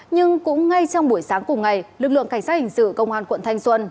nhưng cũng ngay trong buổi sáng cùng ngày lực lượng cảnh sát hình sự công an quận thanh xuân